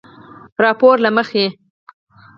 راپورله مخې